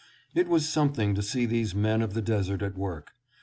It was something to see these men of the desert at work.